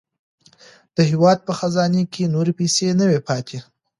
د هېواد په خزانې کې نورې پیسې نه وې پاتې.